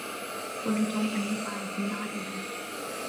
قل لتوم أن يرفع سماعة الهاتف.